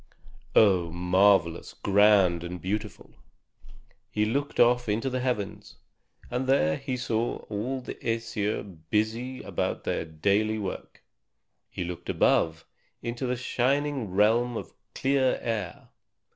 Oh, marvelous, grand, and beautiful! He looked off into the heavens, and there he saw all the Æsir busy about their daily work. He looked above, into the shining realm of clear air.